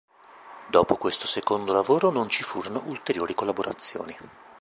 Dopo questo secondo lavoro non ci furono ulteriori collaborazioni.